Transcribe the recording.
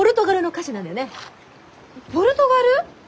ポルトガル！？